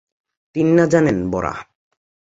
তিন না জানেন বরাহ।